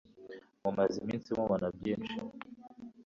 Mumaze iminsi mubona byinshi?